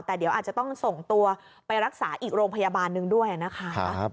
แต่เดี๋ยวอาจจะต้องส่งตัวไปรักษาอีกโรงพยาบาลหนึ่งด้วยนะคะ